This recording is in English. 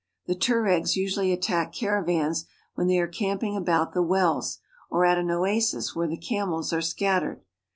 The Tueregs usually attack caravans when they are amping about the wells, or at an oasis when the camel re scattered.